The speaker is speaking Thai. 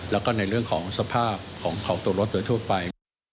แล้วก็ในเรื่องของสภาพของตัวรถโดยทั่วไป